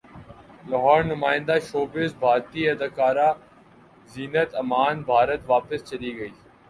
لاہورنمائندہ showbiz بھارتی اداکارہ زینت امان بھارت واپس چلی گئیں